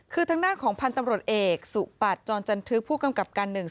คือทางด้านของพันธุ์ตำรวจเอกสุปัตย์จรจันทึกผู้กำกับการหนึ่ง